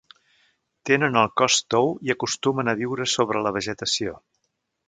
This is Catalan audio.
Tenen el cos tou i acostumen a viure sobre la vegetació.